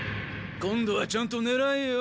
今度はちゃんとねらえよ。